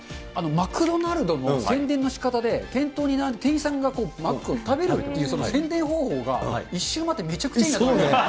マクドナルドの宣伝のしかたで、店頭に店員さんがマックを食べるっていう、その宣伝方法が、一周回ってめちゃくちゃいいなって。